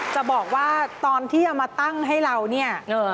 จะบอกว่าตอนที่เอามาตั้งให้เราเนี่ย